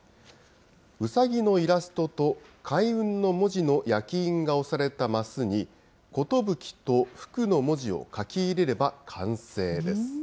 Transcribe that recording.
うさぎのイラストと開運の文字の焼き印が押された升に、寿と福の文字を書き入れれば、完成です。